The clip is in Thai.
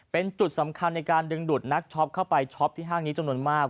เป็นจุดสำคัญในการดึงดูดนักช็อปเข้าไปช็อปที่ห้างนี้จำนวนมาก